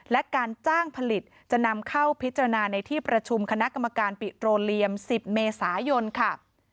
และการจ้างผลิตจะนำเข้าพิจารณาในที่ประชุมคณะกรรมการปิโตรเลียม๑๐เมษายนค่ะ